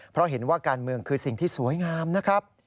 เพราะเห็นว่าการเมืองคือสิ่งที่สวยงามนะครับ